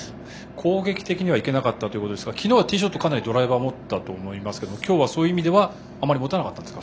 攻撃的には行けなかったということですが昨日はティーショット、かなりドライバーを持ったと思いますが今日は、そういう意味ではあまり持たなかったんですか？